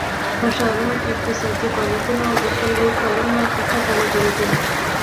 په ښارونو کې اقتصادي فعالیتونه او د خلکو کارونه په ټپه ودرېدل.